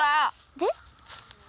で。